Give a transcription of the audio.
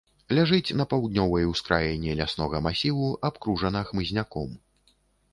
Ляжыць на паўднёвай ускраіне ляснога масіву, абкружана хмызняком.